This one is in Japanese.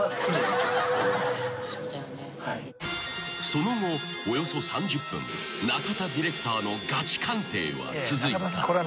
［その後およそ３０分中田ディレクターのガチ鑑定は続いた］